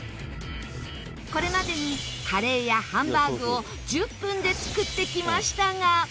これまでにカレーやハンバーグを１０分で作ってきましたが。